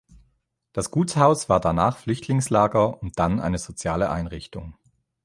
Das Gutshaus war danach Flüchtlingslager und dann eine soziale Einrichtung.